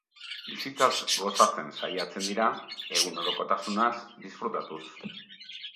Bizitzaz gozatzen saiatzen dira egunerokotasunaz disfrutatuz.